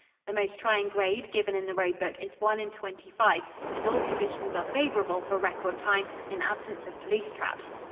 The most trying grade given in the road book is one in twenty five, and all conditions are favorable for record time in absence of police traps.